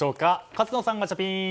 勝野さん、ガチャピン！